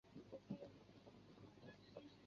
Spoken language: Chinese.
糖尿病酮症酸中毒的病发率因地区而异。